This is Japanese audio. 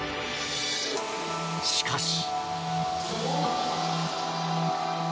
しかし。